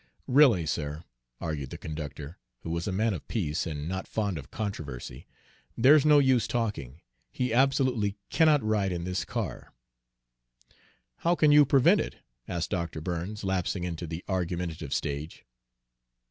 "Really, sir," argued the conductor, who was a man of peace and not fond of controversy, "there's no use talking he absolutely cannot ride in this car." "How can you prevent it?" asked Dr. Burns, lapsing into the argumentative stage.